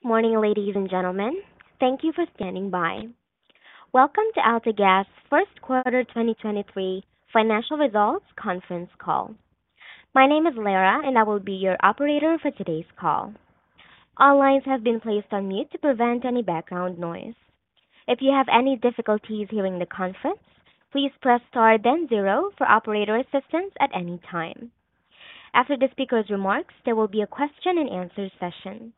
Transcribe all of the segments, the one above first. Good morning, ladies and gentlemen. Thank you for standing by. Welcome to AltaGas's First Quarter 2023 Financial Results Conference Call. My name is Lara, and I will be your operator for today's call. All lines have been placed on mute to prevent any background noise. If you have any difficulties hearing the conference, please press star then zero for operator assistance at any time. After the speaker's remarks, there will be a question-and-answer session.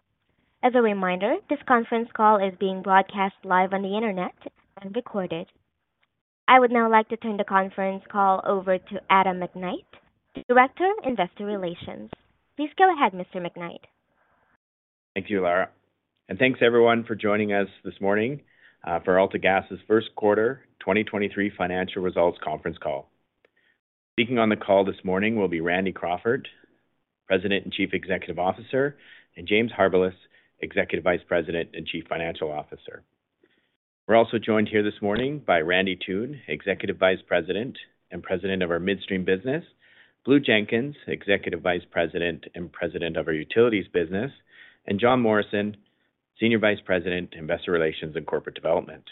As a reminder, this conference call is being broadcast live on the Internet and recorded. I would now like to turn the conference call over to Adam McKnight, Director of Investor Relations. Please go ahead, Mr. McKnight. Thank you, Lara. Thanks everyone for joining us this morning for AltaGas's First Quarter 2023 Financial Results Conference Call. Speaking on the call this morning will be Randy Crawford, President and Chief Executive Officer, and James Harbilas, Executive Vice President and Chief Financial Officer. We're also joined here this morning by Randy Toone, Executive Vice President and President of our Midstream business, Blue Jenkins, Executive Vice President and President of our Utilities business, and Jon Morrison, Senior Vice President, Investor Relations and Corporate Development.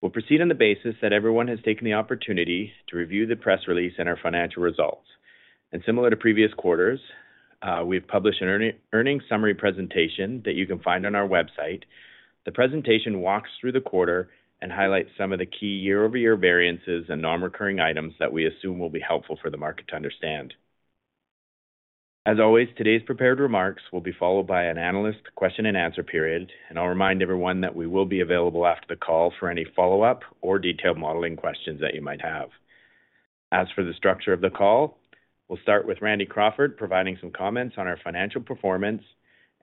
We'll proceed on the basis that everyone has taken the opportunity to review the press release and our financial results. Similar to previous quarters, we've published an earnings summary presentation that you can find on our website. The presentation walks through the quarter and highlights some of the key year-over-year variances and non-recurring items that we assume will be helpful for the market to understand. As always, today's prepared remarks will be followed by an analyst question-and-answer period. I'll remind everyone that we will be available after the call for any follow-up or detailed modeling questions that you might have. As for the structure of the call, we'll start with Randy Crawford providing some comments on our financial performance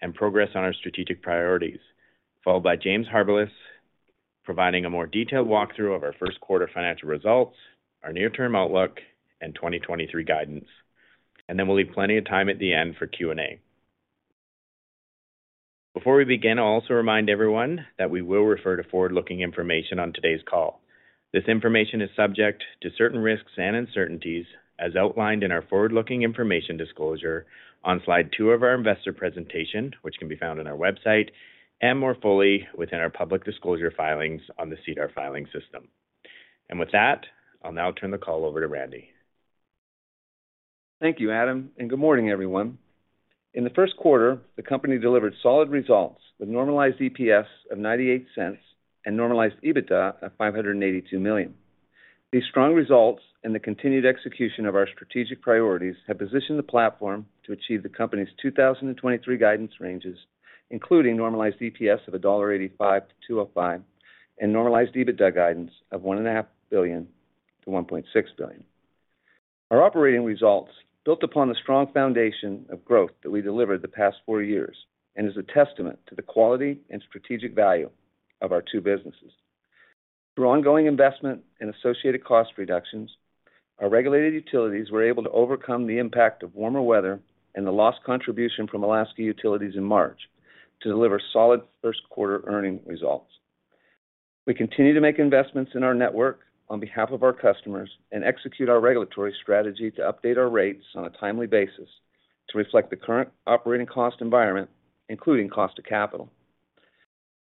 and progress on our strategic priorities, followed by James Harbilas providing a more detailed walkthrough of our first quarter financial results, our near-term outlook, and 2023 guidance. Then we'll leave plenty of time at the end for Q&A. Before we begin, I'll also remind everyone that we will refer to forward-looking information on today's call. This information is subject to certain risks and uncertainties as outlined in our forward-looking information disclosure on slide two of our investor presentation, which can be found on our website and more fully within our public disclosure filings on the SEDAR filing system. With that, I'll now turn the call over to Randy. Thank you, Adam, and good morning, everyone. In the first quarter, the company delivered solid results with normalized EPS of 0.98 and normalized EBITDA of 582 million. These strong results and the continued execution of our strategic priorities have positioned the platform to achieve the company's 2023 guidance ranges, including normalized EPS of 1.85-2.05 dollar and normalized EBITDA guidance of 1.5 billion-1.6 billion. Our operating results built upon the strong foundation of growth that we delivered the past four years and is a testament to the quality and strategic value of our two businesses. Through ongoing investment in associated cost reductions, our regulated utilities were able to overcome the impact of warmer weather and the lost contribution from Alaskan Utilities in March to deliver solid first quarter earning results. We continue to make investments in our network on behalf of our customers and execute our regulatory strategy to update our rates on a timely basis to reflect the current operating cost environment, including cost to capital.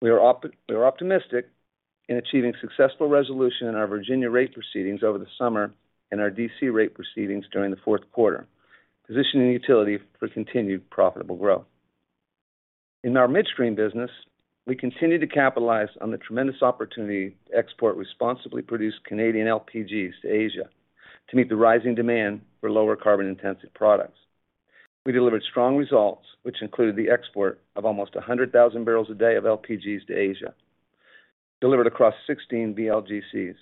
We are optimistic in achieving successful resolution in our Virginia rate proceedings over the summer and our D.C. rate proceedings during the fourth quarter, positioning utility for continued profitable growth. In our midstream business, we continue to capitalize on the tremendous opportunity to export responsibly produced Canadian LPGs to Asia to meet the rising demand for lower carbon-intensive products. We delivered strong results, which included the export of almost 100,000 bbl/d of LPGs to Asia, delivered across 16 VLGCs.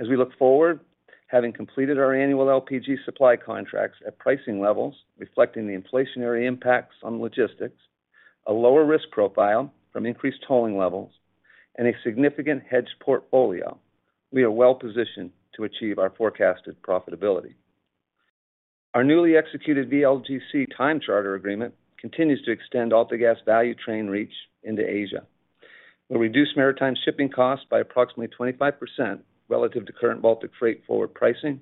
As we look forward, having completed our annual LPG supply contracts at pricing levels reflecting the inflationary impacts on logistics, a lower risk profile from increased tolling levels, and a significant hedged portfolio, we are well-positioned to achieve our forecasted profitability. Our newly executed VLGC time charter agreement continues to extend AltaGas value train reach into Asia. It'll reduce maritime shipping costs by approximately 25% relative to current Baltic freight forward pricing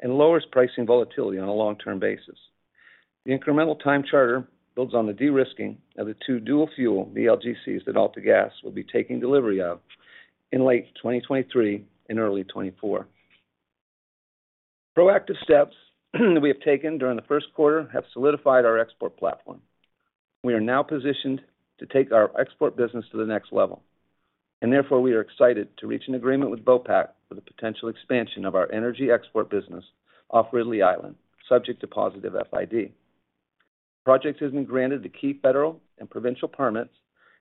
and lowers pricing volatility on a long-term basis. The incremental time charter builds on the de-risking of the two dual-fuel VLGCs that AltaGas will be taking delivery of in late 2023 and early 2024. Proactive steps that we have taken during the first quarter have solidified our export platform. We are now positioned to take our export business to the next level, and therefore, we are excited to reach an agreement with Vopak for the potential expansion of our energy export business off Ridley Island, subject to positive FID. The project has been granted the key federal and provincial permits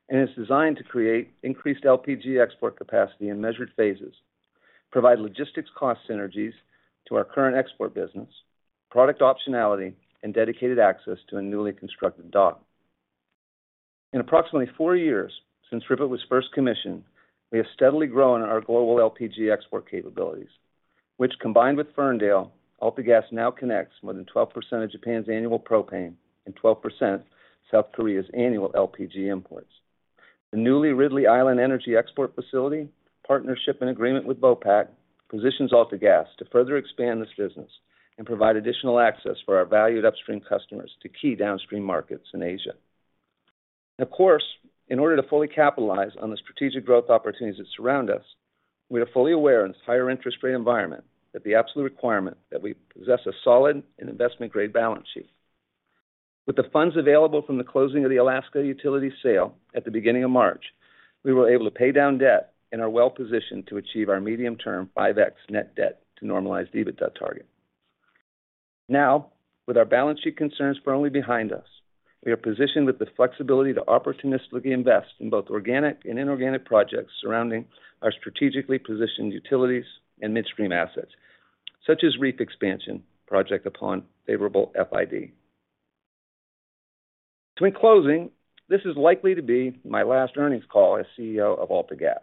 and is designed to create increased LPG export capacity in measured phases, provide logistics cost synergies to our current export business, product optionality, and dedicated access to a newly constructed dock. In approximately four years since RIPET was first commissioned, we have steadily grown our global LPG export capabilities, which, combined with Ferndale, AltaGas now connects more than 12% of Japan's annual propane and 12% South Korea's annual LPG imports. The newly Ridley Island Energy Export Facility, partnership and agreement with Vopak, positions AltaGas to further expand this business and provide additional access for our valued upstream customers to key downstream markets in Asia. Of course, in order to fully capitalize on the strategic growth opportunities that surround us, we are fully aware in this higher interest rate environment that the absolute requirement that we possess a solid and investment-grade balance sheet. With the funds available from the closing of the Alaskan Utilities sale at the beginning of March, we were able to pay down debt and are well-positioned to achieve our medium-term 5x net debt to normalized EBITDA target. With our balance sheet concerns firmly behind us, we are positioned with the flexibility to opportunistically invest in both organic and inorganic projects surrounding our strategically positioned utilities and midstream assets, such as REEF expansion project upon favorable FID. In closing, this is likely to be my last earnings call as CEO of AltaGas,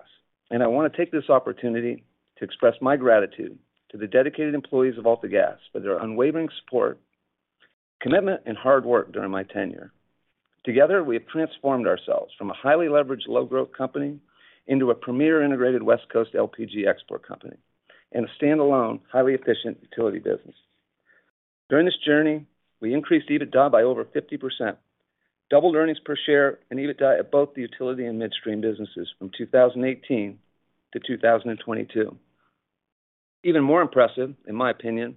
and I want to take this opportunity to express my gratitude to the dedicated employees of AltaGas for their unwavering support, commitment, and hard work during my tenure. Together, we have transformed ourselves from a highly leveraged low-growth company into a premier integrated West Coast LPG export company and a stand-alone, highly efficient utility business. During this journey, we increased EBITDA by over 50%, doubled earnings per share and EBITDA at both the utility and midstream businesses from 2018-2022. Even more impressive, in my opinion,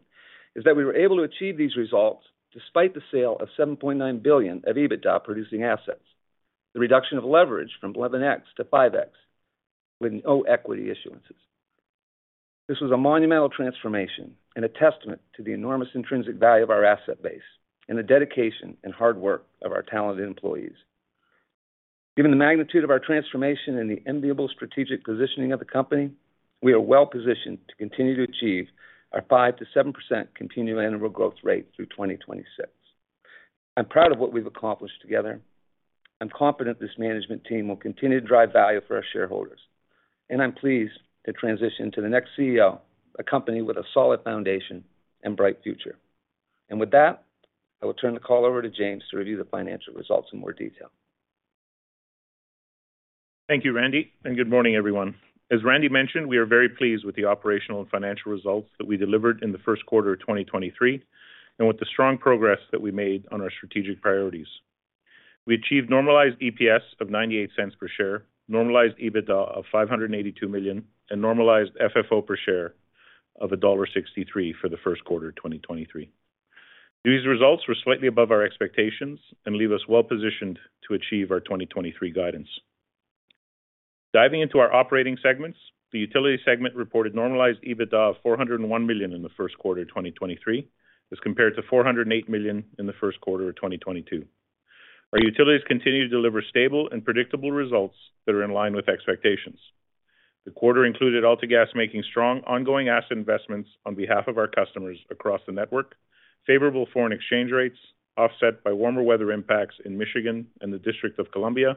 is that we were able to achieve these results despite the sale of 7.9 billion of EBITDA producing assets, the reduction of leverage from 11x-5x with no equity issuances. This was a monumental transformation and a testament to the enormous intrinsic value of our asset base and the dedication and hard work of our talented employees. Given the magnitude of our transformation and the enviable strategic positioning of the company, we are well-positioned to continue to achieve our 5%-7% continued annual growth rate through 2026. I'm proud of what we've accomplished together. I'm confident this management team will continue to drive value for our shareholders, and I'm pleased to transition to the next CEO, a company with a solid foundation and bright future. With that, I will turn the call over to James to review the financial results in more detail. Thank you, Randy, and good morning, everyone. As Randy mentioned, we are very pleased with the operational and financial results that we delivered in the first quarter of 2023 and with the strong progress that we made on our strategic priorities. We achieved normalized EPS of 0.98 per share, normalized EBITDA of 582 million, and normalized FFO per share of dollar 1.63 for the first quarter of 2023. These results were slightly above our expectations and leave us well-positioned to achieve our 2023 guidance. Diving into our operating segments, the utility segment reported normalized EBITDA of CAD 401 million in the first quarter of 2023 as compared to CAD 408 million in the first quarter of 2022. Our utilities continue to deliver stable and predictable results that are in line with expectations. The quarter included AltaGas making strong ongoing asset investments on behalf of our customers across the network, favorable foreign exchange rates offset by warmer weather impacts in Michigan and the District of Columbia,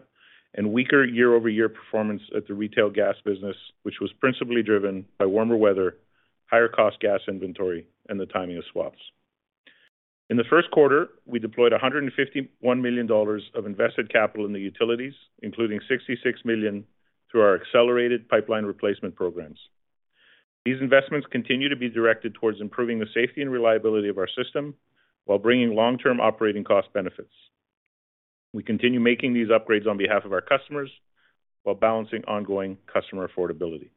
and weaker year-over-year performance at the retail gas business, which was principally driven by warmer weather, higher cost gas inventory, and the timing of swaps. In the first quarter, we deployed 151 million dollars of invested capital in the utilities, including 66 million through our accelerated pipeline replacement programs. These investments continue to be directed towards improving the safety and reliability of our system while bringing long-term operating cost benefits. We continue making these upgrades on behalf of our customers while balancing ongoing customer affordability.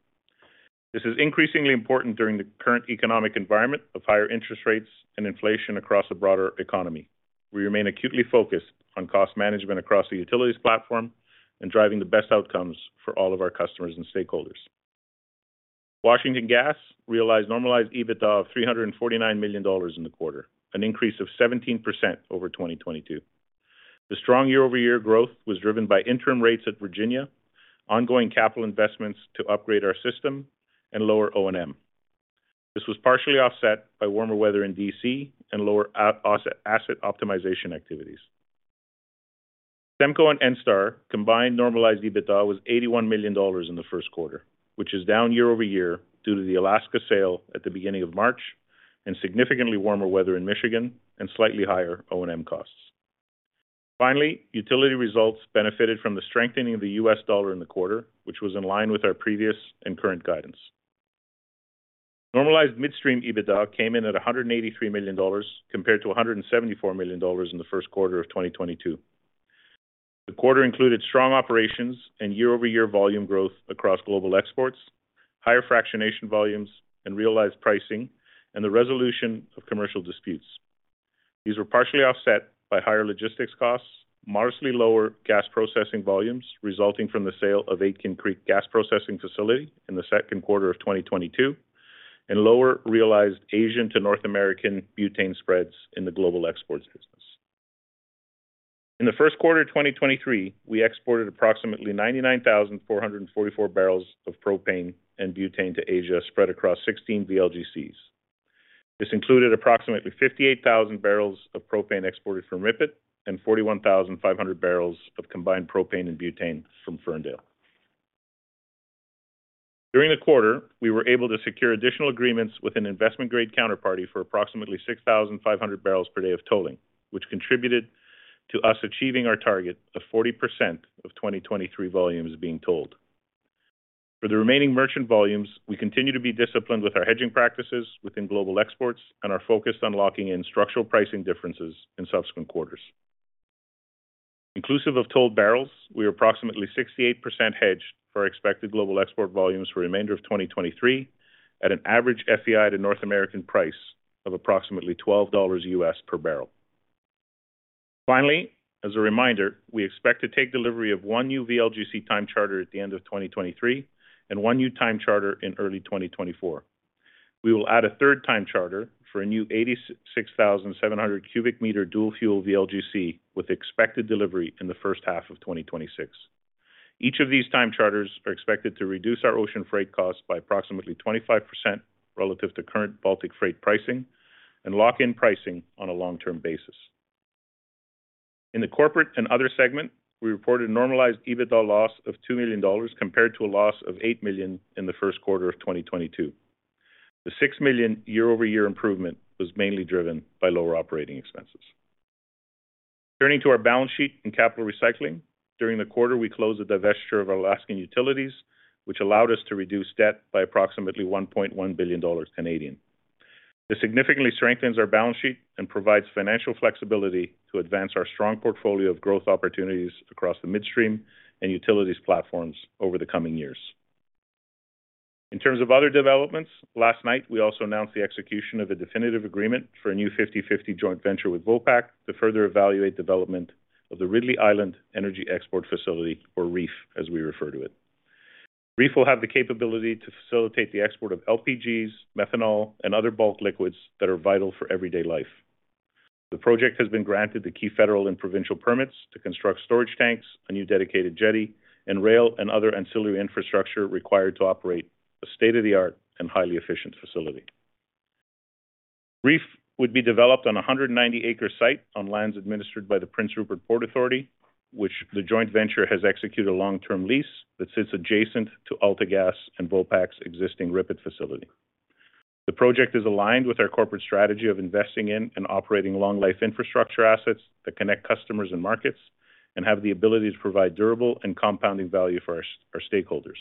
This is increasingly important during the current economic environment of higher interest rates and inflation across a broader economy. We remain acutely focused on cost management across the utilities platform and driving the best outcomes for all of our customers and stakeholders. Washington Gas realized normalized EBITDA of $349 million in the quarter, an increase of 17% over 2022. The strong year-over-year growth was driven by interim rates at Virginia, ongoing capital investments to upgrade our system and lower O&M. This was partially offset by warmer weather in D.C. and lower asset optimization activities. SEMCO and ENSTAR combined normalized EBITDA was $81 million in the first quarter, which is down year-over-year due to the Alaska sale at the beginning of March and significantly warmer weather in Michigan and slightly higher O&M costs. Finally, utility results benefited from the strengthening of the U.S. dollar in the quarter, which was in line with our previous and current guidance. Normalized midstream EBITDA came in at $183 million compared to $174 million in the first quarter of 2022. The quarter included strong operations and year-over-year volume growth across global exports, higher fractionation volumes and realized pricing, and the resolution of commercial disputes. These were partially offset by higher logistics costs, modestly lower gas processing volumes resulting from the sale of Aitken Creek gas processing facility in the second quarter of 2022, and lower realized Asian to North American butane spreads in the global exports business. In the first quarter of 2023, we exported approximately 99,444 bbl of propane and butane to Asia spread across 16 VLGCs. This included approximately 58,000 bbl of propane exported from RIPET and 41,500 bbl of combined propane and butane from Ferndale. During the quarter, we were able to secure additional agreements with an investment-grade counterparty for approximately 6,500 bbl/d of tolling, which contributed to us achieving our target of 40% of 2023 volumes being tolled. For the remaining merchant volumes, we continue to be disciplined with our hedging practices within global exports and are focused on locking in structural pricing differences in subsequent quarters. Inclusive of tolled barrels, we are approximately 68% hedged for expected global export volumes for remainder of 2023 at an average FEI to North American price of approximately $12 per barrel. As a reminder, we expect to take delivery of 1 new VLGC time charter at the end of 2023 and 1 new time charter in early 2024. We will add a third time charter for a new 86,700 cubic meter dual fuel VLGC with expected delivery in the first half of 2026. Each of these time charters are expected to reduce our ocean freight costs by approximately 25% relative to current Baltic freight pricing and lock in pricing on a long-term basis. In the corporate and other segment, we reported normalized EBITDA loss of $2 million compared to a loss of $8 million in the first quarter of 2022. The $6 million year-over-year improvement was mainly driven by lower operating expenses. Turning to our balance sheet and capital recycling, during the quarter, we closed the divestiture of our Alaskan Utilities, which allowed us to reduce debt by approximately 1.1 billion Canadian dollars. This significantly strengthens our balance sheet and provides financial flexibility to advance our strong portfolio of growth opportunities across the midstream and utilities platforms over the coming years. In terms of other developments, last night we also announced the execution of a definitive agreement for a new 50/50 joint venture with Vopak to further evaluate development of the Ridley Island Energy Export Facility or REEF, as we refer to it. REEF will have the capability to facilitate the export of LPGs, methanol, and other bulk liquids that are vital for everyday life. The project has been granted the key federal and provincial permits to construct storage tanks, a new dedicated jetty, and rail and other ancillary infrastructure required to operate a state-of-the-art and highly efficient facility. REEF would be developed on a 190-acre site on lands administered by the Prince Rupert Port Authority, which the joint venture has executed a long-term lease that sits adjacent to AltaGas and Vopak's existing RIPET facility. The project is aligned with our corporate strategy of investing in and operating long life infrastructure assets that connect customers and markets and have the ability to provide durable and compounding value for our stakeholders.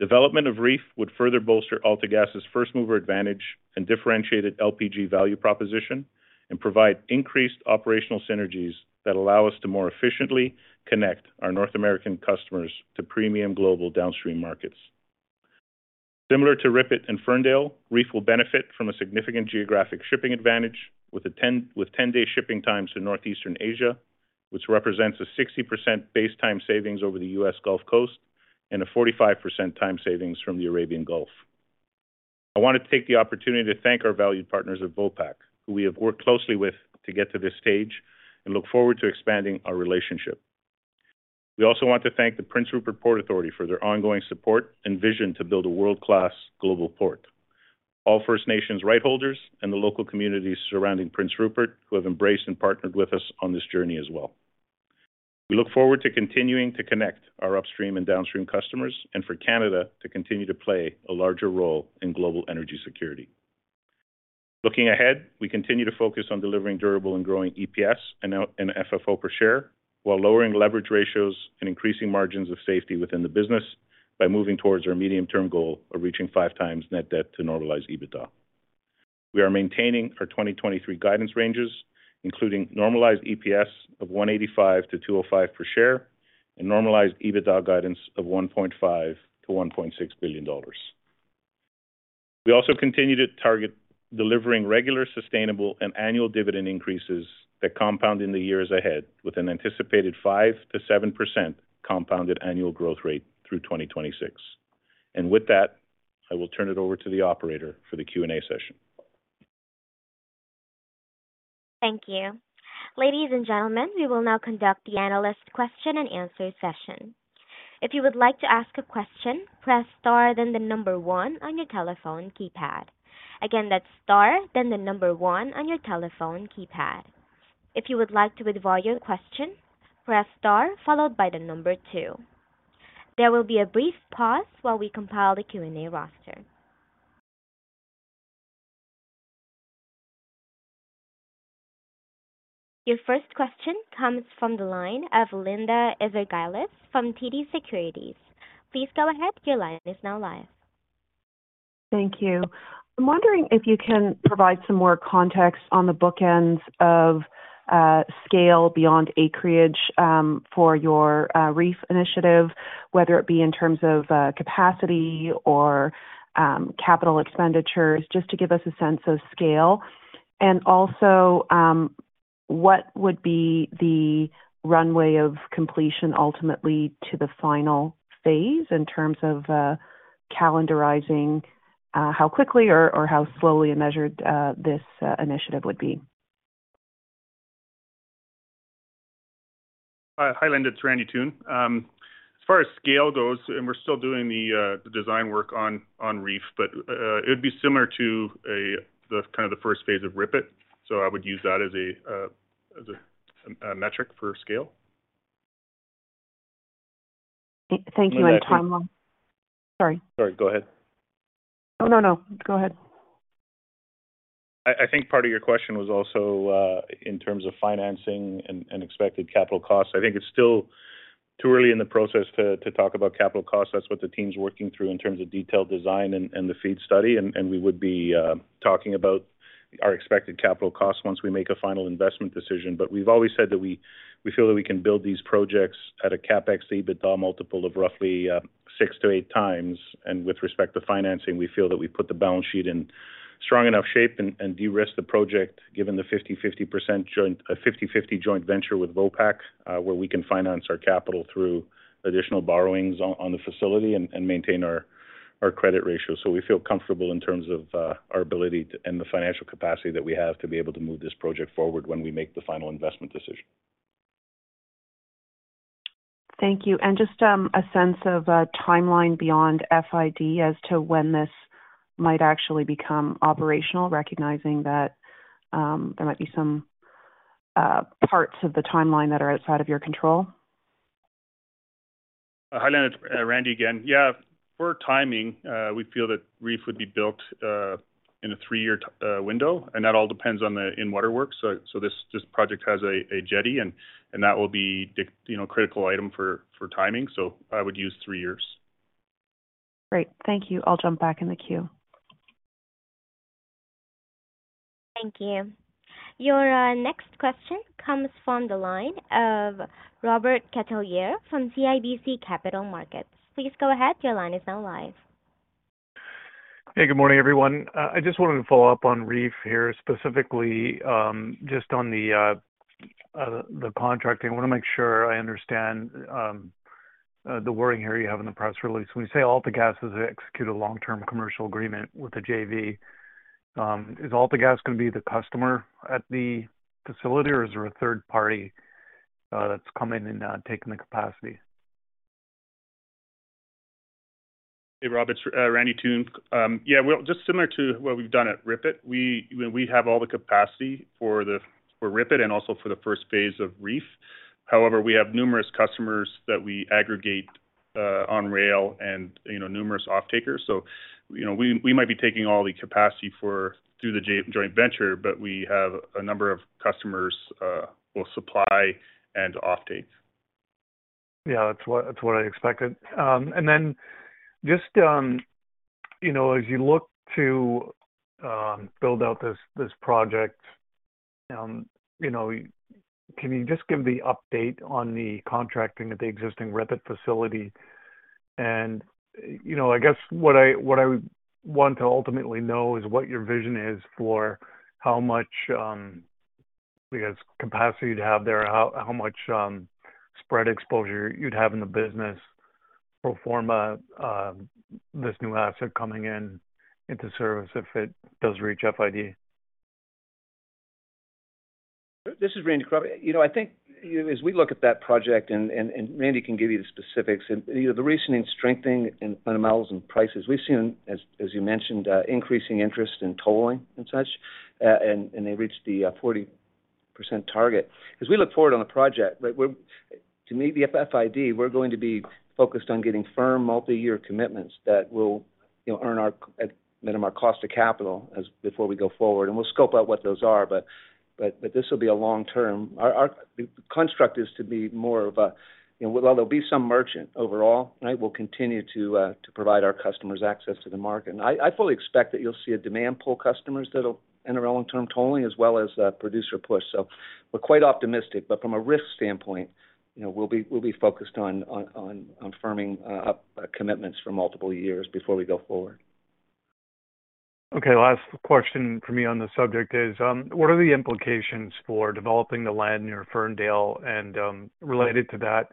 Development of REEF would further bolster AltaGas' first mover advantage and differentiated LPG value proposition and provide increased operational synergies that allow us to more efficiently connect our North American customers to premium global downstream markets. Similar to RIPET and Ferndale, REEF will benefit from a significant geographic shipping advantage with a 10-day shipping times to Northeastern Asia, which represents a 60% base time savings over the U.S. Gulf Coast and a 45% time savings from the Arabian Gulf. I want to take the opportunity to thank our valued partners at Vopak, who we have worked closely with to get to this stage and look forward to expanding our relationship. We also want to thank the Prince Rupert Port Authority for their ongoing support and vision to build a world-class global port. All First Nations right holders and the local communities surrounding Prince Rupert, who have embraced and partnered with us on this journey as well. We look forward to continuing to connect our upstream and downstream customers and for Canada to continue to play a larger role in global energy security. Looking ahead, we continue to focus on delivering durable and growing EPS and FFO per share while lowering leverage ratios and increasing margins of safety within the business by moving towards our medium-term goal of reaching 5x net debt to normalized EBITDA. We are maintaining our 2023 guidance ranges, including normalized EPS of 1.85-2.05 per share and normalized EBITDA guidance of 1.5 billion-1.6 billion dollars. Also continue to target delivering regular, sustainable and annual dividend increases that compound in the years ahead with an anticipated 5%-7% compounded annual growth rate through 2026. With that, I will turn it over to the operator for the Q&A session. Thank you. Ladies and gentlemen, we will now conduct the analyst question and answer session. If you would like to ask a question, press star then the number one on your telephone keypad. Again, that's star then the number one on your telephone keypad. If you would like to withdraw your question, press star followed by the number two. There will be a brief pause while we compile the Q&A roster. Your first question comes from the line of Linda Ezergailis from TD Securities. Please go ahead. Your line is now live. Thank you. I'm wondering if you can provide some more context on the bookends of scale beyond acreage, for your REEF initiative, whether it be in terms of capacity or capital expenditures, just to give us a sense of scale. What would be the runway of completion ultimately to the final phase in terms of calendarizing, how quickly or how slowly measured, this initiative would be? Hi, Linda. It's Randy Toone. As far as scale goes, and we're still doing the design work on REEF, but it would be similar to a, the kind of the first phase of RIPET. I would use that as a, as a metric for scale. Thank you. Timeline. Sorry. Sorry, go ahead. Oh, no. Go ahead. I think part of your question was also in terms of financing and expected capital costs. I think it's still too early in the process to talk about capital costs. That's what the team's working through in terms of detailed design and the feed study. We would be talking about our expected capital costs once we make a final investment decision. We've always said that we feel that we can build these projects at a CapEx EBITDA multiple of roughly 6-8x. With respect to financing, we feel that we put the balance sheet in strong enough shape and de-risk the project, given the 50/50% joint venture with Vopak, where we can finance our capital through additional borrowings on the facility and maintain our credit ratio. We feel comfortable in terms of our ability to and the financial capacity that we have to be able to move this project forward when we make the final investment decision. Thank you. Just a sense of timeline beyond FID as to when this might actually become operational, recognizing that there might be some parts of the timeline that are outside of your control. Hi, Linda. It's Randy again. Yeah. For timing, we feel that REEF would be built in a three-year window, that all depends on the in-water work. This project has a jetty and that will be, you know, a critical item for timing. I would use three years. Great. Thank you. I'll jump back in the queue. Thank you. Your next question comes from the line of Robert Catellier from CIBC Capital Markets. Please go ahead. Your line is now live. Hey, good morning, everyone. I just wanted to follow up on REEF here, specifically, just on the contracting. I wanna make sure I understand the wording here you have in the press release. When you say AltaGas has executed a long-term commercial agreement with the JV, is AltaGas gonna be the customer at the facility, or is there a third party that's coming and taking the capacity? Hey, Robert. It's Randy Toone. Yeah. Well, just similar to what we've done at RIPET, when we have all the capacity for RIPET and also for the first phase of REEF. However, we have numerous customers that we aggregate on rail and, you know, numerous offtakers. You know, we might be taking all the capacity through the joint venture, but we have a number of customers, both supply and offtake. Yeah, that's what I expected. Then just, you know, as you look to build out this project, you know, can you just give the update on the contracting of the existing RIPET facility? You know, I guess what I would want to ultimately know is what your vision is for how much, I guess, capacity you'd have there, how much spread exposure you'd have in the business pro forma this new asset coming into service if it does reach FID. This is Randy Crawford. You know, I think, you know, as we look at that project and, and Randy can give you the specifics and, you know, the recent strengthening in fundamentals and prices, we've seen, as you mentioned, increasing interest in tolling and such, and they reached the 40% target. As we look forward on the project, like to meet the FID, we're going to be focused on getting firm multi-year commitments that will, you know, earn at minimum, our cost of capital before we go forward. We'll scope out what those are, but this will be a long term. Our the construct is to be more of a, you know, well, there'll be some merchant overall, right? We'll continue to provide our customers access to the market. I fully expect that you'll see a demand pull customers that'll enter long-term tolling as well as producer push. We're quite optimistic. From a risk standpoint, you know, we'll be focused on firming up commitments for multiple years before we go forward. Okay. Last question for me on this subject is, what are the implications for developing the land near Ferndale? Related to that,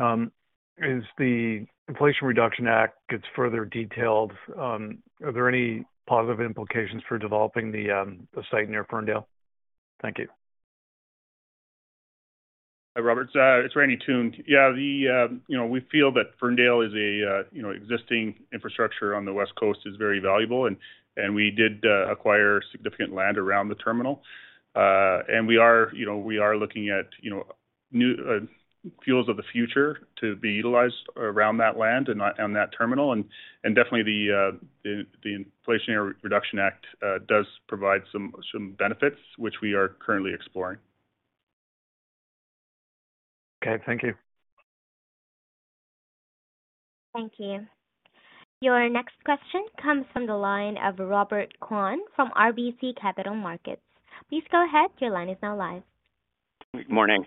as the Inflation Reduction Act gets further detailed, are there any positive implications for developing the site near Ferndale? Thank you. Hi, Robert. It's Randy Toone. Yeah, the, you know, we feel that Ferndale is a, you know, existing infrastructure on the West Coast is very valuable and we did acquire significant land around the terminal. We are, you know, we are looking at, you know, new fuels of the future to be utilized around that land and that terminal. Definitely the Inflation Reduction Act does provide some benefits, which we are currently exploring. Okay. Thank you. Thank you. Your next question comes from the line of Robert Kwan from RBC Capital Markets. Please go ahead. Your line is now live. Morning.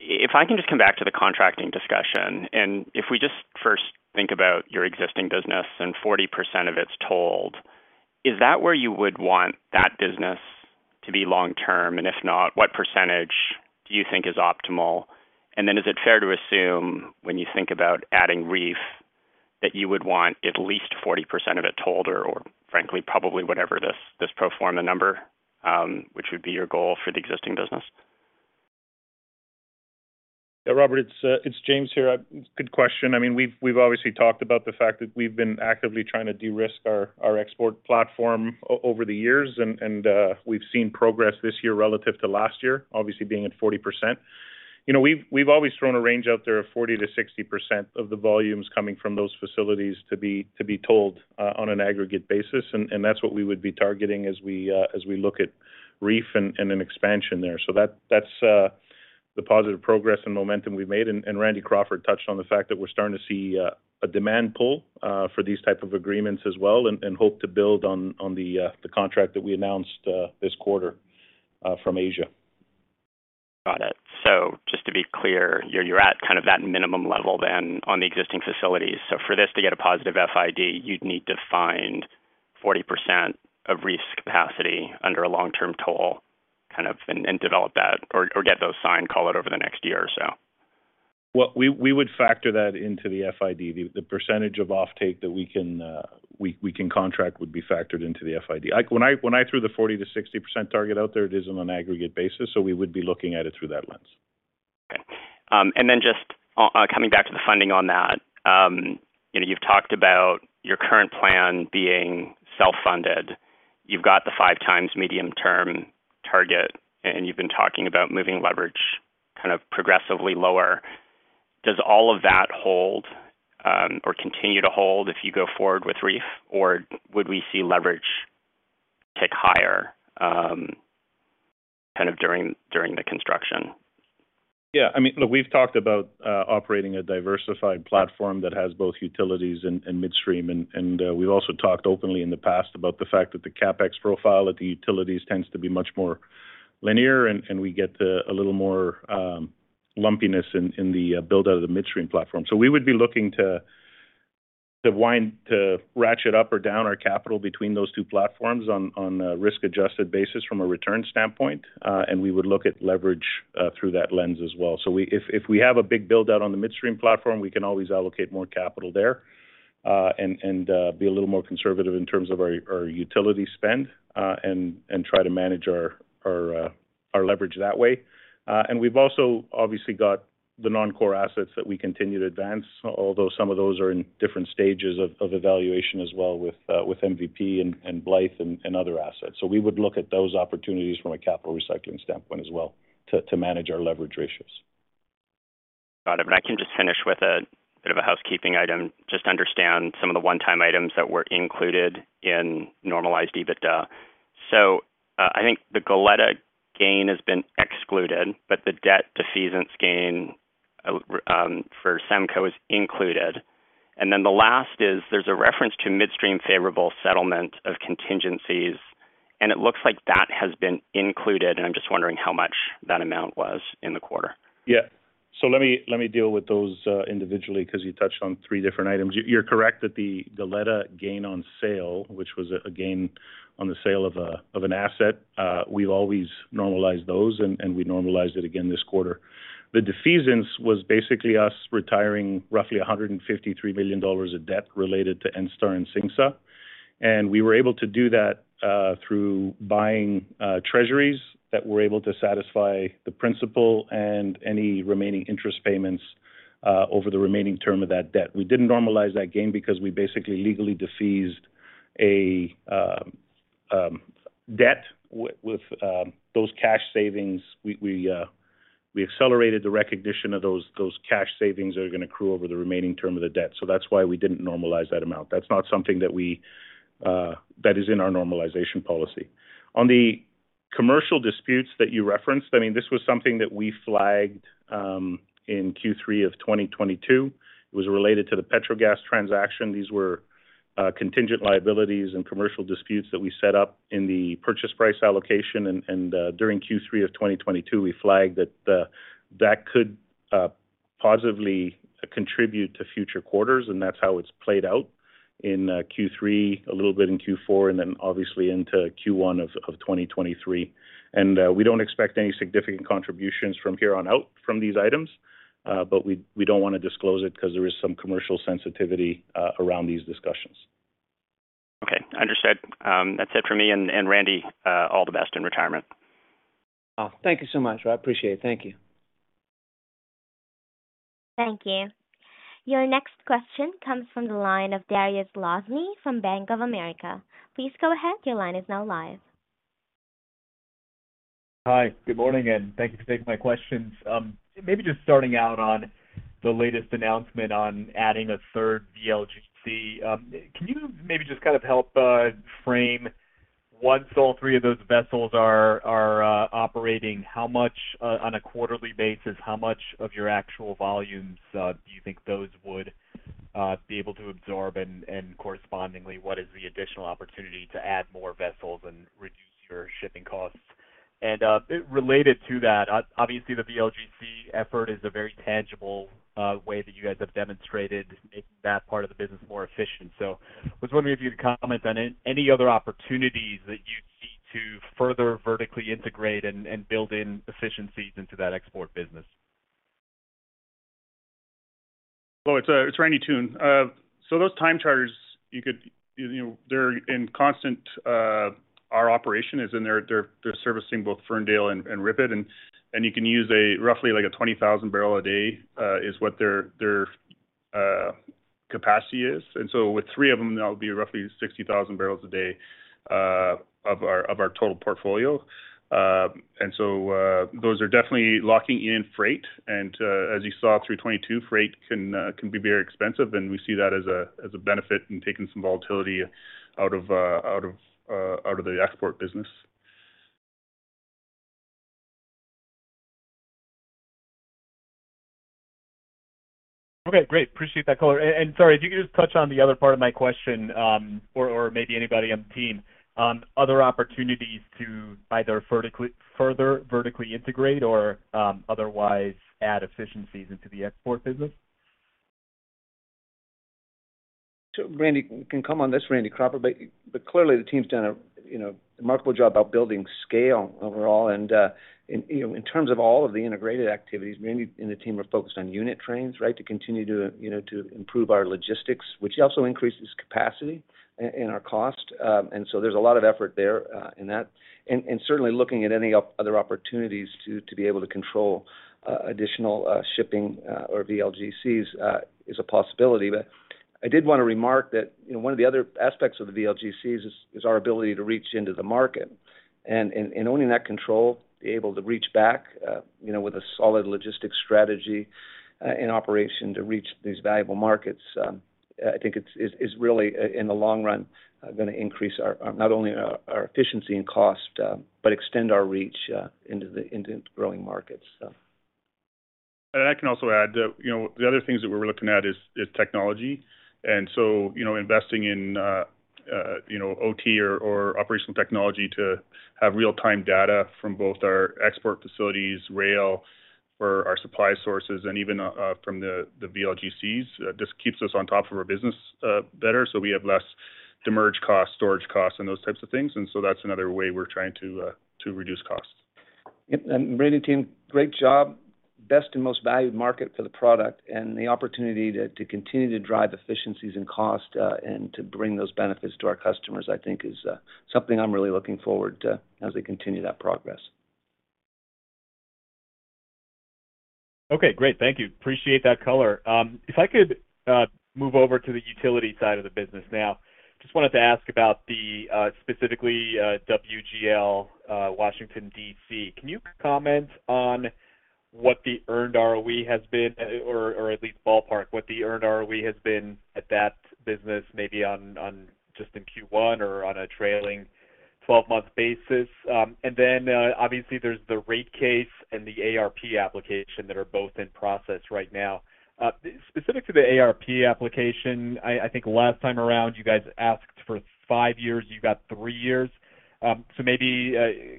If I can just come back to the contracting discussion, if we just first think about your existing business and 40% of it's tolled, is that where you would want that business to be long term? If not, what percentage do you think is optimal? Is it fair to assume when you think about adding REEF that you would want at least 40% of it tolled or frankly, probably whatever this pro forma number, which would be your goal for the existing business? Yeah, Robert, it's James here. Good question. I mean, we've obviously talked about the fact that we've been actively trying to de-risk our export platform over the years. We've seen progress this year relative to last year, obviously being at 40%. You know, we've always thrown a range out there of 40%-60% of the volumes coming from those facilities to be told on an aggregate basis. That's what we would be targeting as we look at REEF and an expansion there. That's the positive progress and momentum we've made and Randy Crawford touched on the fact that we're starting to see a demand pull for these type of agreements as well, and hope to build on the contract that we announced this quarter from Asia. Got it. Just to be clear, you're at kind of that minimum level than on the existing facilities. For this to get a positive FID, you'd need to find 40% of REEF's capacity under a long-term toll kind of and develop that or get those signed, call it over the next year or so. We would factor that into the FID. The percentage of offtake that we can contract would be factored into the FID. When I threw the 40%-60% target out there, it is on an aggregate basis, so we would be looking at it through that lens. Okay. Just coming back to the funding on that, you know, you've talked about your current plan being self-funded. You've got the 5x medium term target, and you've been talking about moving leverage progressively lower. Does all of that hold or continue to hold if you go forward with REEF, or would we see leverage tick higher during the construction? Yeah. I mean, look, we've talked about operating a diversified platform that has both utilities and midstream. We've also talked openly in the past about the fact that the CapEx profile at the utilities tends to be much more linear, and we get a little more lumpiness in the build out of the midstream platform. We would be looking to ratchet up or down our capital between those two platforms on a risk-adjusted basis from a return standpoint. We would look at leverage through that lens as well. We... If we have a big build-out on the midstream platform, we can always allocate more capital there, and be a little more conservative in terms of our utility spend, and try to manage our leverage that way. We've also obviously got the non-core assets that we continue to advance, although some of those are in different stages of evaluation as well with MVP and Blythe and other assets. We would look at those opportunities from a capital recycling standpoint as well to manage our leverage ratios. Got it. I can just finish with a bit of a housekeeping item. Just understand some of the one-time items that were included in normalized EBITDA. I think the Goleta gain has been excluded, but the debt defeasance gain for SEMCO is included. Then the last is there's a reference to midstream favorable settlement of contingencies, and it looks like that has been included, and I'm just wondering how much that amount was in the quarter. Let me deal with those individually because you touched on three different items. You're correct that the Goleta gain on sale, which was a gain on the sale of an asset, we've always normalized those and we normalized it again this quarter. The defeasance was basically us retiring roughly 153 million dollars of debt related to ENSTAR and CINGSA. We were able to do that through buying treasuries that were able to satisfy the principal and any remaining interest payments over the remaining term of that debt. We didn't normalize that gain because we basically legally defeased a debt with those cash savings. We accelerated the recognition of those cash savings that are gonna accrue over the remaining term of the debt. That's why we didn't normalize that amount. That's not something that we that is in our normalization policy. On the commercial disputes that you referenced, I mean, this was something that we flagged in Q3 of 2022. It was related to the Petrogas transaction. These were contingent liabilities and commercial disputes that we set up in the purchase price allocation. During Q3 of 2022, we flagged that that could positively contribute to future quarters, and that's how it's played out in Q3, a little bit in Q4, and then obviously into Q1 of 2023. We don't expect any significant contributions from here on out from these items, but we don't wanna disclose it because there is some commercial sensitivity around these discussions. Okay. Understood. That's it for me. And Randy, all the best in retirement. Oh, thank you so much. I appreciate it. Thank you. Thank you. Your next question comes from the line of Dariusz Lozny from Bank of America. Please go ahead. Your line is now live. Hi. Good morning, and thank you for taking my questions. Maybe just starting out on the latest announcement on adding a third VLGC. Can you maybe just kind of help frame once all three of those vessels are operating, how much on a quarterly basis, how much of your actual volumes do you think those would be able to absorb? Correspondingly, what is the additional opportunity to add more vessels and reduce your shipping costs? Related to that, obviously the VLGC effort is a very tangible way that you guys have demonstrated making that part of the business more efficient. I was wondering if you could comment on any other opportunities that you see to further vertically integrate and build in efficiencies into that export business. Well, it's Randy Toone. those time charters, you know, Our operation is in there. They're servicing both Ferndale and RIPET. you can use a roughly, like, a 20,000 bbl/d is what their capacity is. with three of them, that'll be roughly 60,000 bbl/d of our total portfolio. those are definitely locking in freight. as you saw through 2022, freight can be very expensive, and we see that as a benefit in taking some volatility out of the export business. Okay, great. Appreciate that color. Sorry, if you could just touch on the other part of my question, or maybe anybody on the team, other opportunities to either vertically further vertically integrate or, otherwise add efficiencies into the export business. Randy, you can come on this Randy Crawford, but clearly the team's done a, you know, remarkable job about building scale overall and, you know, in terms of all of the integrated activities, Randy and the team are focused on unit trains, right? To continue to, you know, to improve our logistics, which also increases capacity and our cost. There's a lot of effort there in that. Certainly looking at any other opportunities to be able to control additional shipping or VLGCs is a possibility. I did wanna remark that, you know, one of the other aspects of the VLGCs is our ability to reach into the market. Owning that control, be able to reach back, you know, with a solid logistics strategy, in operation to reach these valuable markets, I think it's really in the long run, gonna increase our not only our efficiency and cost, but extend our reach into the growing markets. I can also add that, you know, the other things that we're looking at is technology. You know, investing in you know, OT or operational technology to have real-time data from both our export facilities, rail for our supply sources, and even from the VLGCs just keeps us on top of our business better so we have less demerge costs, storage costs, and those types of things. That's another way we're trying to reduce costs. Yep. Randy team, great job. Best and most valued market for the product and the opportunity to continue to drive efficiencies and cost, and to bring those benefits to our customers, I think is something I'm really looking forward to as we continue that progress. Okay, great. Thank you. Appreciate that color. If I could move over to the utility side of the business now. Just wanted to ask about the specifically WGL, Washington, D.C. Can you comment on what the earned ROE has been or at least ballpark what the earned ROE has been at that business, maybe on just in Q1 or on a trailing 12-month basis? Obviously there's the rate case and the ARP application that are both in process right now. Specific to the ARP application, I think last time around you guys asked for five years, you got three years. Maybe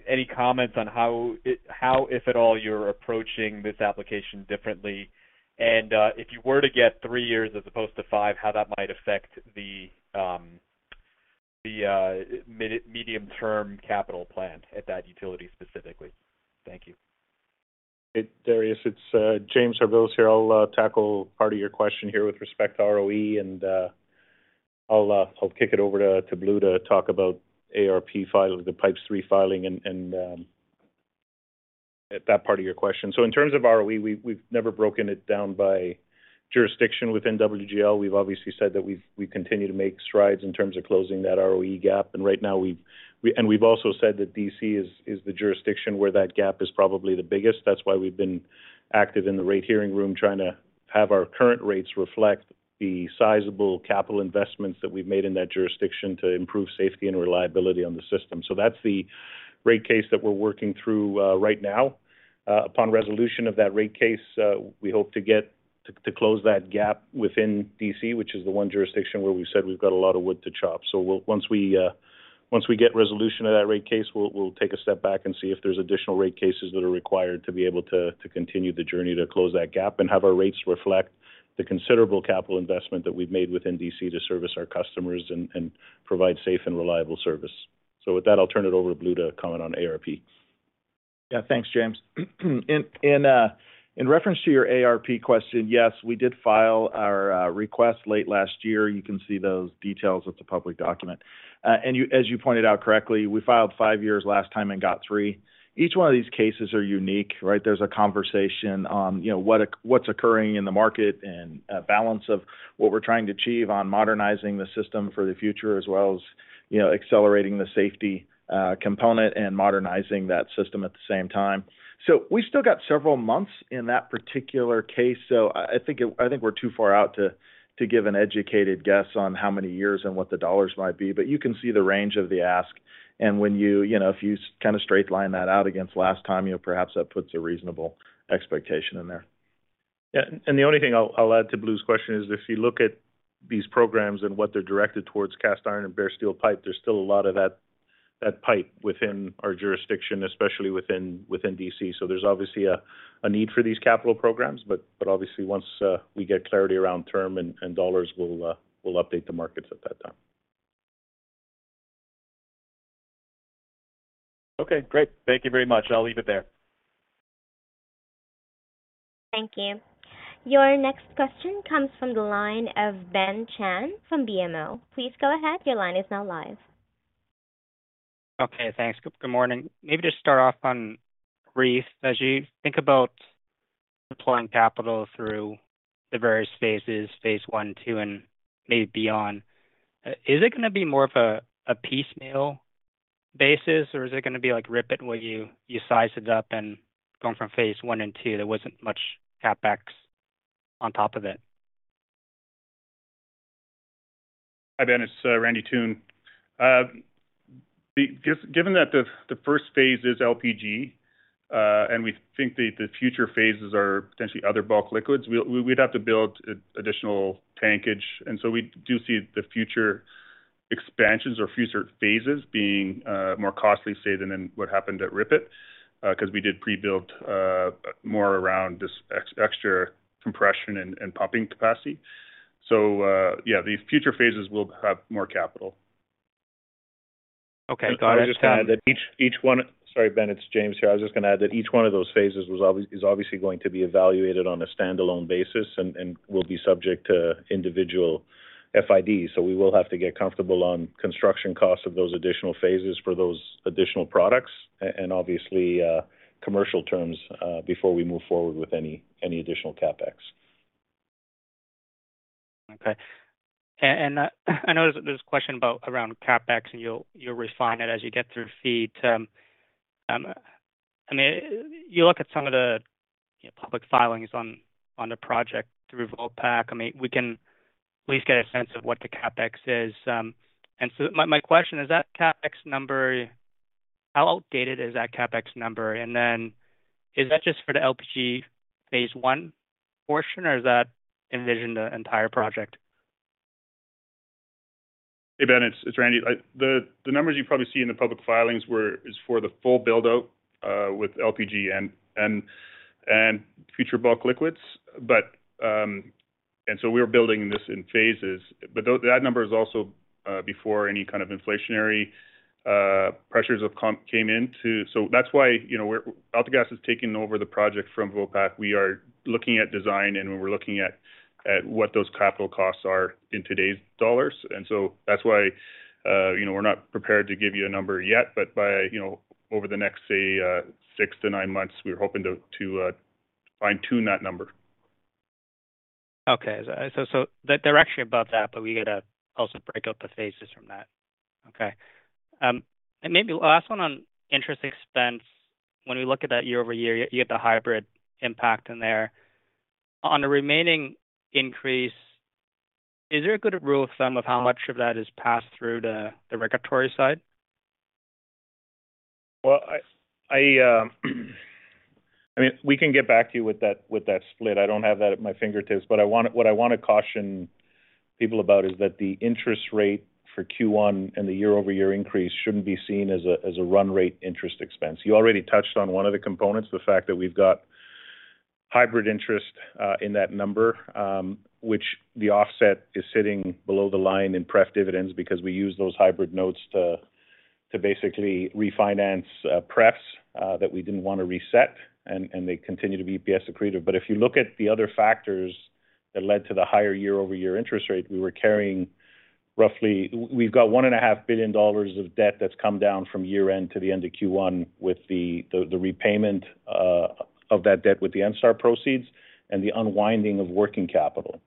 any comments on how, if at all, you're approaching this application differently? If you were to get three years as opposed to five, how that might affect the mid- medium term capital plan at that utility specifically. Thank you. Hey, Dariusz. It's James Harbilas here. I'll tackle part of your question here with respect to ROE and I'll kick it over to Blue Jenkins to talk about ARP filing, the pipes refiling and that part of your question. In terms of ROE, we've never broken it down by jurisdiction within WGL. We've obviously said that we continue to make strides in terms of closing that ROE gap. Right now, we've also said that D.C. is the jurisdiction where that gap is probably the biggest. That's why we've been active in the rate hearing room, trying to have our current rates reflect the sizable capital investments that we've made in that jurisdiction to improve safety and reliability on the system. That's the rate case that we're working through right now. Upon resolution of that rate case, we hope to close that gap within D.C., which is the one jurisdiction where we've said we've got a lot of wood to chop. Once we get resolution of that rate case, we'll take a step back and see if there's additional rate cases that are required to be able to continue the journey to close that gap and have our rates reflect the considerable capital investment that we've made within D.C. to service our customers and provide safe and reliable service. With that, I'll turn it over to Blue to comment on ARP. Yeah. Thanks, James. In, in reference to your ARP question, yes, we did file our request late last year. You can see those details. It's a public document. And as you pointed out correctly, we filed five years last time and got three. Each one of these cases are unique, right? There's a conversation on, you know, what's occurring in the market and a balance of what we're trying to achieve on modernizing the system for the future as well as, you know, accelerating the safety component and modernizing that system at the same time. We still got several months in that particular case. I think we're too far out to give an educated guess on how many years and what the dollars might be. But you can see the range of the ask. When you know, if you kinda straight line that out against last time, you know, perhaps that puts a reasonable expectation in there. Yeah. The only thing I'll add to Blue's question is, if you look at these programs and what they're directed towards cast iron and bare steel pipe, there's still a lot of that pipe within our jurisdiction, especially within D.C. There's obviously a need for these capital programs. But obviously once we get clarity around term and dollars, we'll update the markets at that time. Okay, great. Thank you very much. I'll leave it there. Thank you. Your next question comes from the line of Ben Pham from BMO. Please go ahead. Your line is now live. Okay, thanks. Good morning. Maybe just start off on brief. As you think about deploying capital through the various phases, phase one, two, and maybe beyond, is it gonna be more of a piecemeal basis, or is it gonna be like RIPET where you size it up and going from phase one and two, there wasn't much CapEx on top of it? Hi, Ben, it's Randy Toone. Given that the first phase is LPG, and we think the future phases are potentially other bulk liquids, we'd have to build additional tankage. We do see the future expansions or future phases being more costly, say, than in what happened at RIPET, 'cause we did pre-build more around this extra compression and pumping capacity. Yeah, these future phases will have more capital. Okay. Each one. Sorry, Ben, it's James here. I was just gonna add that each one of those phases is obviously going to be evaluated on a standalone basis and will be subject to individual FID. We will have to get comfortable on construction costs of those additional phases for those additional products and obviously commercial terms before we move forward with any additional CapEx. Okay. I know there's a question about around CapEx, and you'll refine it as you get through feed. I mean, you look at some of the public filings on the project through Vopak. I mean, we can at least get a sense of what the CapEx is. So my question, is that CapEx number, how outdated is that CapEx number? Then is that just for the LPG phase I portion, or is that envisioned the entire project? Hey, Ben, it's Randy. The numbers you probably see in the public filings were, is for the full build-out with LPG and future bulk liquids. We're building this in phases. That number is also before any kind of inflationary pressures came into. That's why, you know, AltaGas has taken over the project from Vopak. We are looking at design, and we're looking at what those capital costs are in today's dollars. That's why, you know, we're not prepared to give you a number yet, by, you know, over the next, say, six to nine months, we're hoping to fine-tune that number. Okay. They're actually above that, but we gotta also break up the phases from that. Okay. Maybe last one on interest expense. When we look at that year-over-year, you get the hybrid impact in there. On the remaining increase, is there a good rule of thumb of how much of that is passed through the regulatory side? I mean, we can get back to you with that split. I don't have that at my fingertips. What I wanna caution people about is that the interest rate for Q1 and the year-over-year increase shouldn't be seen as a run rate interest expense. You already touched on one of the components, the fact that we've got hybrid interest in that number, which the offset is sitting below the line in pref dividends because we use those hybrid notes to basically refinance prefs that we didn't want to reset, and they continue to be EPS accretive. If you look at the other factors that led to the higher year-over-year interest rate, we were carrying roughly... We've got one and a half billion dollars of debt that's come down from year-end to the end of Q1 with the repayment of that debt with the ENSTAR proceeds and the unwinding of working capital.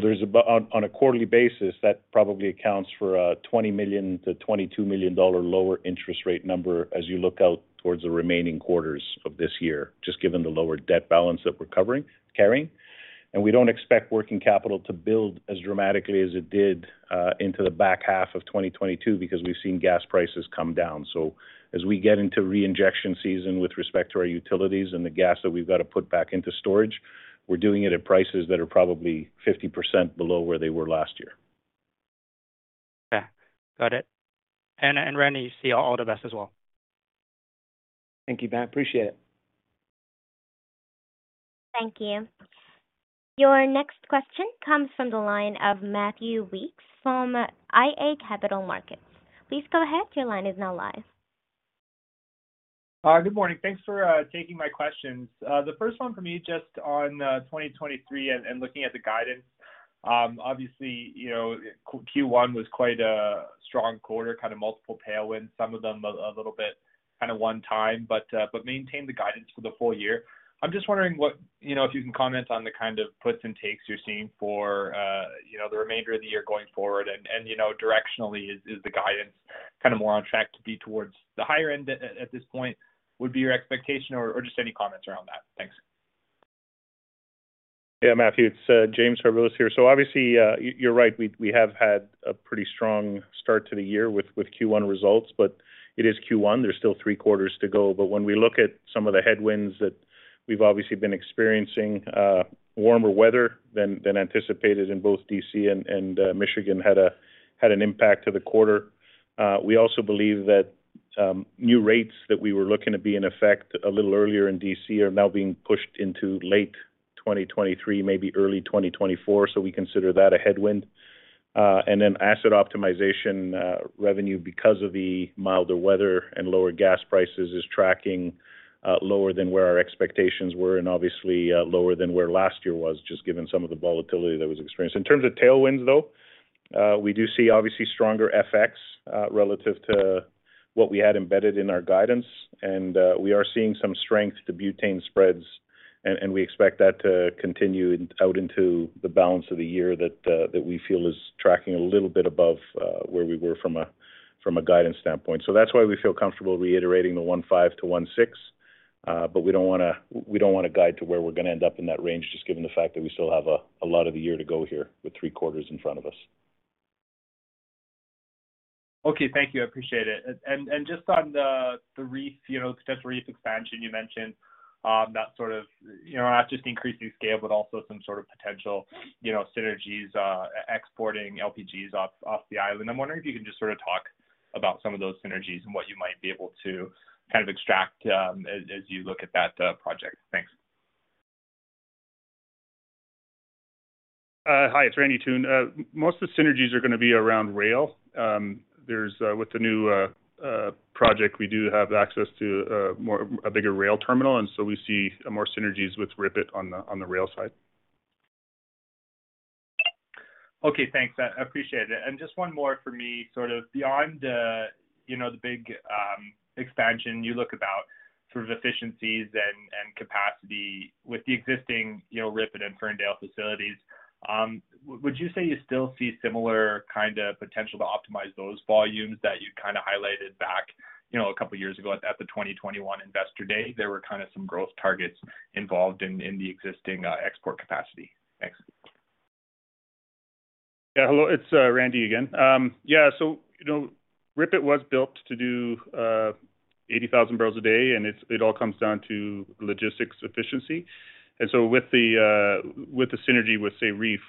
There's on a quarterly basis, that probably accounts for a 20 million-22 million dollar lower interest rate number as you look out towards the remaining quarters of this year, just given the lower debt balance that we're covering, carrying. We don't expect working capital to build as dramatically as it did into the back half of 2022 because we've seen gas prices come down. As we get into reinjection season with respect to our utilities and the gas that we've got to put back into storage, we're doing it at prices that are probably 50% below where they were last year. Okay. Got it. Randy, see all the best as well. Thank you, Ben. Appreciate it. Thank you. Your next question comes from the line of Matthew Weeks from iA Capital Markets. Please go ahead. Your line is now live. Good morning. Thanks for taking my questions. The first one for me just on 2023 and looking at the guidance. Obviously, you know, Q1 was quite a strong quarter, kind of multiple tailwinds, some of them a little bit kinda one time, but maintain the guidance for the full year. I'm just wondering what. You know, if you can comment on the kind of puts and takes you're seeing for, you know, the remainder of the year going forward. You know, directionally is the guidance kind of more on track to be towards the higher end at this point, would be your expectation or just any comments around that? Thanks. Yeah, Matthew. It's James Harbilas here. Obviously, you're right. We have had a pretty strong start to the year with Q1 results, but it is Q1. There's still three quarters to go. When we look at some of the headwinds that we've obviously been experiencing, warmer weather than anticipated in both D.C. and Michigan had an impact to the quarter. We also believe that new rates that we were looking to be in effect a little earlier in D.C. are now being pushed into late 2023, maybe early 2024, so we consider that a headwind. Then asset optimization revenue because of the milder weather and lower gas prices is tracking lower than where our expectations were and obviously lower than where last year was, just given some of the volatility that was experienced. In terms of tailwinds, though, we do see obviously stronger FX relative to what we had embedded in our guidance. We are seeing some strength to butane spreads, and we expect that to continue out into the balance of the year that we feel is tracking a little bit above where we were from a guidance standpoint. That's why we feel comfortable reiterating the 1.50-1.60, but we don't wanna guide to where we're gonna end up in that range, just given the fact that we still have a lot of the year to go here with 3 quarters in front of us. Okay, thank you. I appreciate it. Just on the REEF, you know, potential REEF expansion you mentioned, that sort of, you know, not just increasing scale, but also some sort of potential, you know, synergies, exporting LPGs off the island. I'm wondering if you can just sort of talk about some of those synergies and what you might be able to kind of extract as you look at that project. Thanks. Hi, it's Randy Toone. Most of the synergies are gonna be around rail. With the new project, we do have access to a bigger rail terminal. We see more synergies with RIPET on the rail side. Okay, thanks. I appreciate it. Just one more for me, sort of beyond the, you know, the big expansion you look about through efficiencies and capacity with the existing, you know, RIPET and Ferndale facilities, would you say you still see similar kinda potential to optimize those volumes that you kinda highlighted back, you know, a couple of years ago at the 2021 Investor Day? There were kinda some growth targets involved in the existing export capacity. Thanks. Hello, it's Randy again. You know, RIPET was built to do 80,000 bbl/d, it all comes down to logistics efficiency. With the synergy with REEF,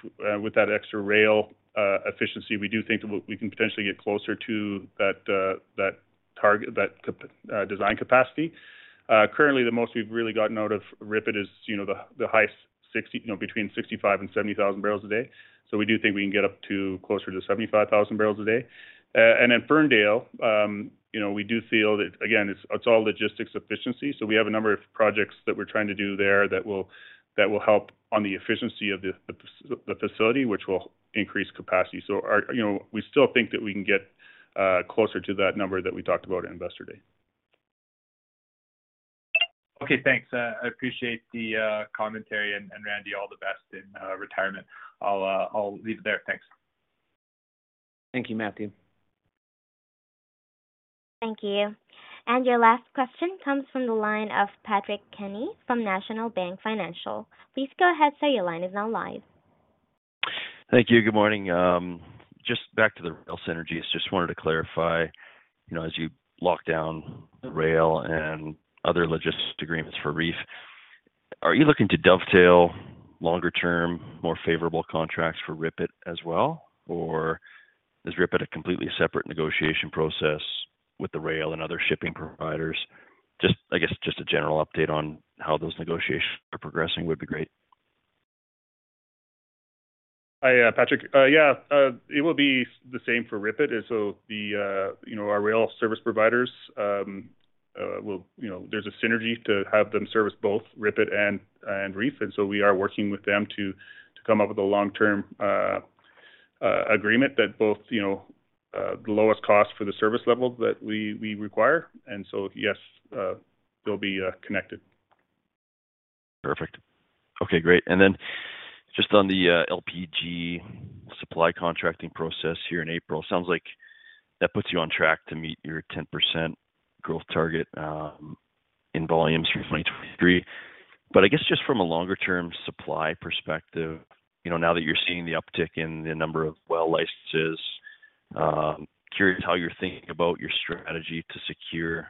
with that extra rail efficiency, we do think we can potentially get closer to that design capacity. Currently, the most we've really gotten out of RIPET is, you know, the highest 60, you know, between 65,000 and 70,000 bbl/d. We do think we can get up to closer to 75,000 bbl/d. Then Ferndale, you know, we do feel that, again, it's all logistics efficiency. We have a number of projects that we're trying to do there that will help on the efficiency of the facility, which will increase capacity. Our, you know, we still think that we can get closer to that number that we talked about at Investor Day. Okay, thanks. I appreciate the commentary. Randy, all the best in retirement. I'll leave it there. Thanks. Thank you, Matthew. Thank you. Your last question comes from the line of Patrick Kenny from National Bank Financial. Please go ahead, sir. Your line is now live. Thank you. Good morning. Just back to the rail synergies. Just wanted to clarify, you know, as you lock down rail and other logistics agreements for REEF, are you looking to dovetail longer term, more favorable contracts for RIPET as well? Is RIPET a completely separate negotiation process with the rail and other shipping providers? Just, I guess, just a general update on how those negotiations are progressing would be great. Hi, Patrick. Yeah, it will be the same for RIPET. The, you know, our rail service providers will, you know, there's a synergy to have them service both RIPET and REEF. We are working with them to come up with a long-term agreement that both, you know, the lowest cost for the service level that we require. Yes, they'll be connected. Perfect. Okay, great. Just on the LPG supply contracting process here in April, sounds like that puts you on track to meet your 10% growth target in volumes for 2023. I guess just from a longer-term supply perspective, you know, now that you're seeing the uptick in the number of well licenses, curious how you're thinking about your strategy to secure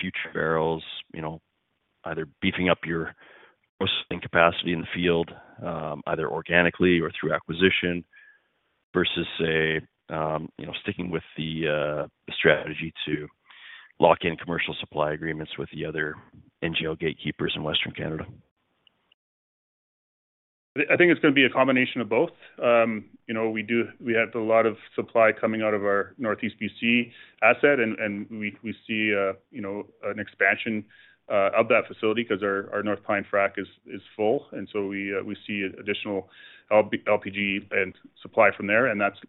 future barrels, you know, either beefing up your processing capacity in the field, either organically or through acquisition versus say, you know, sticking with the strategy to lock in commercial supply agreements with the other NGL gatekeepers in Western Canada? I think it's going to be a combination of both. you know, we have a lot of supply coming out of our Northeast BC asset, and we see you know, an expansion of that facility 'cause our North Pine frac is full. So we see additional LPG and supply from there, and that's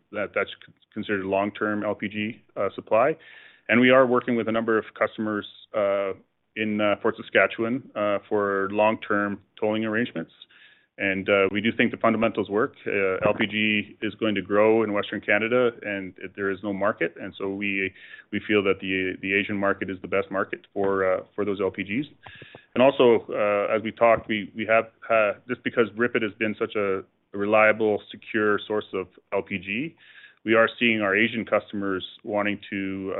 considered long-term LPG supply. We are working with a number of customers in Fort Saskatchewan for long-term tolling arrangements. We do think the fundamentals work. LPG is going to grow in Western Canada, and there is no market. So we feel that the Asian market is the best market for those LPGs. Also, as we talked, we have just because RIPET has been such a reliable, secure source of LPG, we are seeing our Asian customers wanting to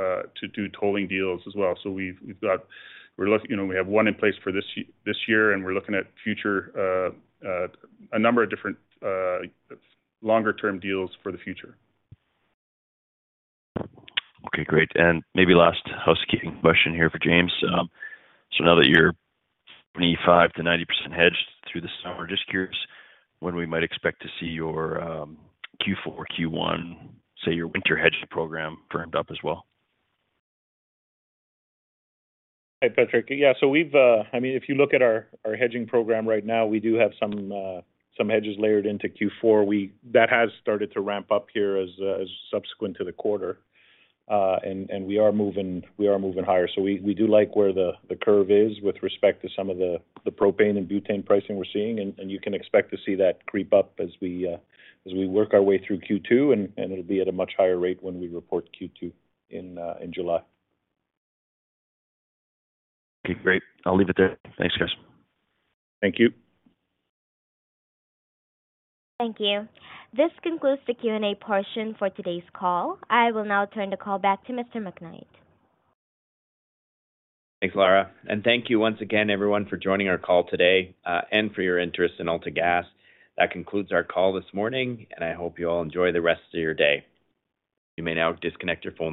do tolling deals as well. We've got You know, we have one in place for this year, and we're looking at future, a number of different, longer term deals for the future. Okay, great. Maybe last housekeeping question here for James. Now that you're 25%-90% hedged through the summer, just curious when we might expect to see your Q4 or Q1, say, your winter hedges program firmed up as well? Hey, Patrick. Yeah. We've, I mean, if you look at our hedging program right now, we do have some hedges layered into Q4. That has started to ramp up here as subsequent to the quarter. We are moving higher. We do like where the curve is with respect to some of the propane and butane pricing we're seeing. You can expect to see that creep up as we work our way through Q2, and it'll be at a much higher rate when we report Q2 in July. Okay, great. I'll leave it there. Thanks, guys. Thank you. Thank you. This concludes the Q&A portion for today's call. I will now turn the call back to Mr. McKnight. Thanks, Lara. Thank you once again, everyone, for joining our call today, and for your interest in AltaGas. That concludes our call this morning, and I hope you all enjoy the rest of your day. You may now disconnect your phone lines.